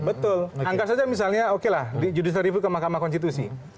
betul angkat saja misalnya judicial review ke mahkamah konstitusi